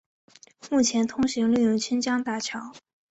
目前通行另有清江大桥。